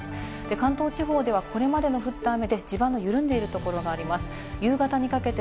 関東地方ではこれまでの降った雨で地盤の緩んでいるところがあります。